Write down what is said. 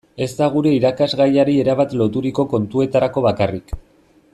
Ez da gure irakasgaiari erabat loturiko kontuetarako bakarrik.